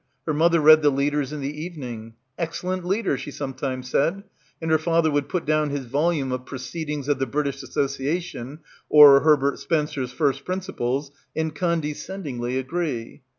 Her mother read "the leaders" in the evening — "excellent leader" she sometimes said, and her father would put down his volume of "Proceed ings of the British Association," or Herbert Spencer's "First Principles," and condescend ingly agree.